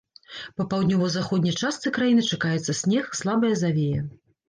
Па паўднёва-заходняй частцы краіны чакаецца снег, слабая завея.